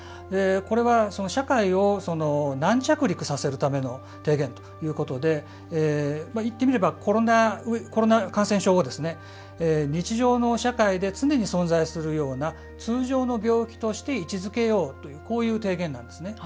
これは社会を軟着陸させるための提言ということで言ってみればコロナ感染症を日常の社会で常に存在するような通常の病気として位置づけようというこういう提言なんですね。